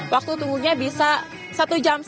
waktu tunggunya bisa satu jam